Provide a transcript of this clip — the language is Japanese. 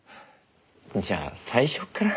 じゃあ最初から。